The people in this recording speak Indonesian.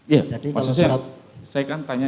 ya saya kan tanya